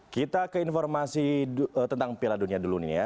kita keinformasi tentang piala dunia dulu nih ya